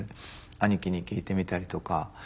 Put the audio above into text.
兄貴に聞いてみたりとか。